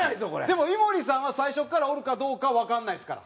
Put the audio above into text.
でも井森さんは最初からおるかどうかわかんないですから。